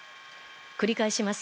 繰り返します。